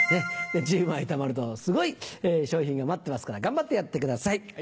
１０枚たまるとすごい賞品が待ってますから頑張ってやってください。